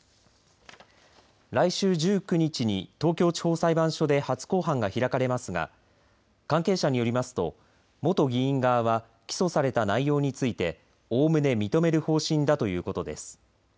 来週１９日に東京地方裁判所で初公判が開かれますが関係者によりますと元議員側は起訴された内容についておおむね認める方針だということです。